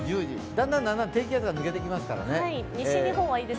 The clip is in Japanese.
だんだん低気圧が抜けていきますから。